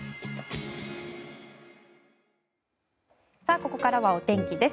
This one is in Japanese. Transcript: ここからはお天気です。